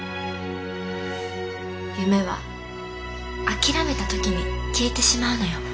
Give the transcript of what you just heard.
夢は諦めた時に消えてしまうのよ。